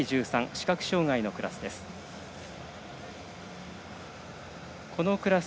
視覚障がいのクラス。